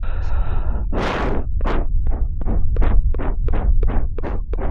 C'est une monnaie d'échange alors à peine moins précieuse que l'ivoire.